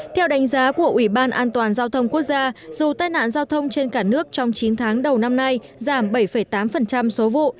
theo đánh giá của ủy ban an toàn giao thông quốc gia dù tai nạn giao thông trên cả nước trong chín tháng đầu năm nay giảm bảy tám số vụ